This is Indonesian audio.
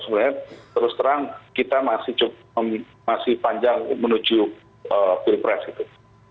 sebenarnya terus terang kita masih panjang menuju pilpres gitu